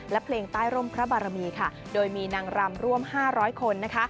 และเพลงต้ายร่มพระบารมีโดยมีนังรำร่วม๕๐๐คน